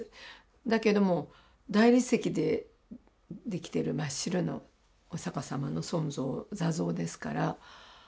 だけども大理石で出来てる真っ白のお釈様の尊像坐像ですからやっぱし重い。